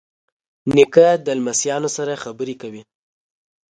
نیکه له لمسیانو سره خبرې کوي.